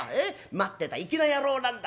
待ってた粋な野郎なんだ。